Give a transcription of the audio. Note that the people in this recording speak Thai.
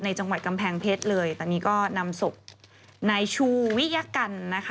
จังหวัดกำแพงเพชรเลยตอนนี้ก็นำศพนายชูวิยกันนะคะ